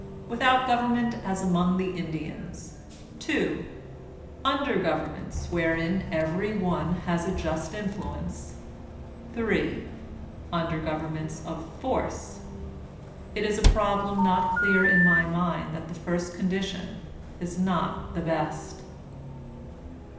Without gov ernment as among the Indians. 2. Under governments wherein every one has a just influence. 3. Under gov ernments of force. It is a problem not clear in my mind that the first condition is not the best.